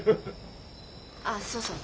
ああそうそう。